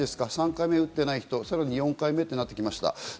３回目を打っていない人、また４回目となってきました。